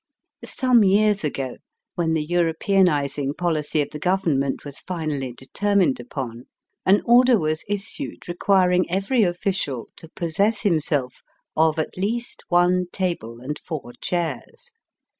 Some years ago, when Digitized by VjOOQIC fAtB DAT AT ASAKUSA. 216 the Europeanizing policy of the Government was finally determined upon, an order was issued requiring every official to possess him self of at least one table and four chairs.